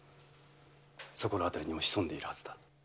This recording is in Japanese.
そこら辺りにも潜んでいるはずだ。